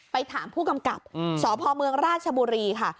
ไปถามผู้กำกับสพเมืองราชบุรีค่ะ